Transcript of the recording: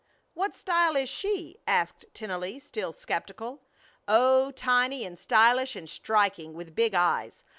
"What style is she?" asked Tennelly, still skeptical. "Oh, tiny and stylish and striking, with big eyes.